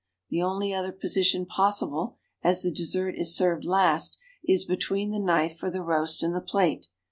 The only other position possible, as the dessert is served last, is l)etween the knife for the roast and the plate.